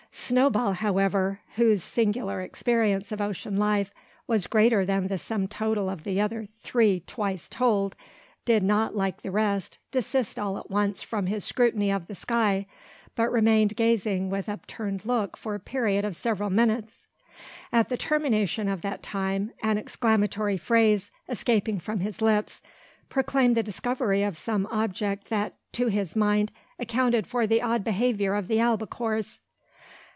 Snowball, however, whose single experience of ocean life was greater than the sum total of the other three twice told, did not, like the rest, desist all at once from his scrutiny of the sky, but remained gazing with upturned look for period of several minutes. At the termination of that time, an exclamatory phrase, escaping from his lips, proclaimed the discovery of some object that, to his mind, accounted for the odd behaviour of the albacores.